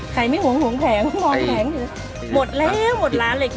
ใครไม่ห่วงหวงแผงหวงแผงหมดแล้วหมดล้านแหลก